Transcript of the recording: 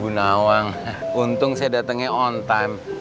bu nawang untung saya datengin on time